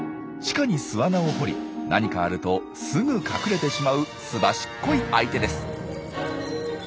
地下に巣穴を掘り何かあるとすぐ隠れてしまうすばしっこい相手です。